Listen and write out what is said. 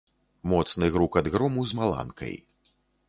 Моцны грукат грому з маланкай.